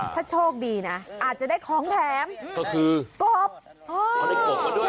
ถ้าโชคดีนะอาจจะได้ของแถมก็คือกบอ๋อ